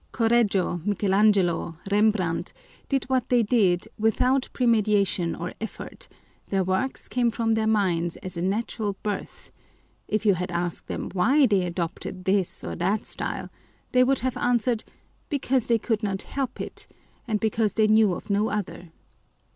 Correggio, Michael Angelo, Rembrandt, did what they did without premedi tation or effort â€" their works came from their minds as a natural birthâ€" if you had asked them why they adopted this or that style, they would have answered, because they Genius and its Powers. 163 could not help it, and because they knew of no other.